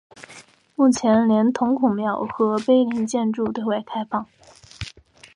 目前连同孔庙和碑林建筑对外开放。